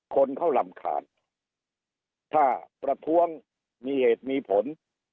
คนเขารำคาญถ้าประท้วงมีเหตุมีผล